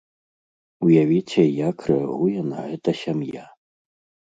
Уявіце, як рэагуе на гэта сям'я.